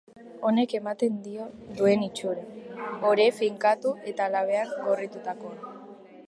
Honek ematen dio duen itxura: ore finkatu eta labean gorritutakoa.